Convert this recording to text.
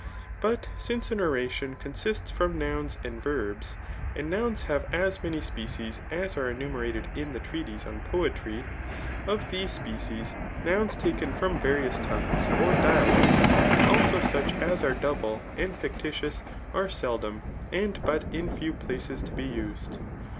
But smce an oration consists from nouns and vtahs^ and nouns have as many spedes as are enumerated m the treatise On Poetry ; of these s{>ecie^ nouns takesi from various tongues, or dialects, and also such as are double and fictitious, are seldom, and but in few phces to be used.